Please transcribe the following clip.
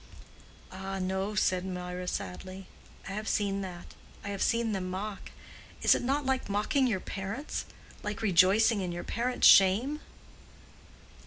"Ah no," said Mirah, sadly. "I have seen that. I have seen them mock. Is it not like mocking your parents?—like rejoicing in your parents' shame?"